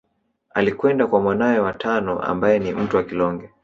Alikwenda kwa mwanawe wa tano ambaye ni Mtwa Kilonge